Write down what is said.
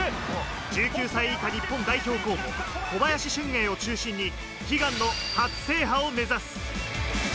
１９歳以下日本代表候補・小林俊瑛を中心に悲願の初制覇を目指す。